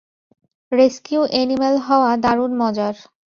Rescue animal হওয়া দারুণ মজার!